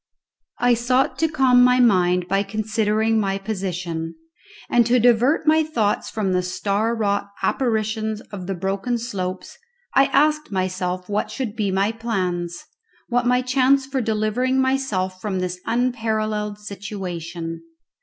I sought to calm my mind by considering my position, and to divert my thoughts from the star wrought apparitions of the broken slopes I asked myself what should be my plans, what my chance for delivering myself from this unparalleled situation.